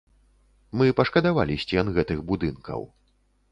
Мы пашкадавалі сцен гэтых будынкаў.